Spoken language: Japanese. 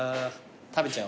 食べちゃおう。